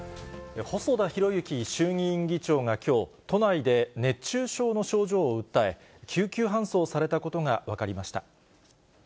細田博之衆議院議長がきょう、都内で熱中症の症状を訴え、救急搬送されたことが分かりました。